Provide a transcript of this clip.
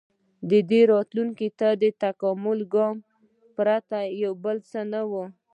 • دې راتلونکي ته د تکاملي ګام پرته بل څه نه و.